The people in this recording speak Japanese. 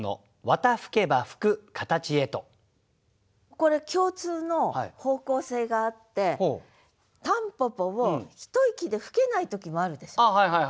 これ共通の方向性があって蒲公英をひと息で吹けない時もあるでしょ。